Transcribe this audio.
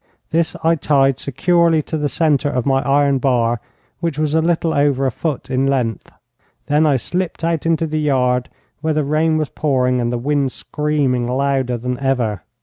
This I tied securely to the centre of my iron bar, which was a little over a foot in length. Then I slipped out into the yard, where the rain was pouring and the wind screaming louder than ever.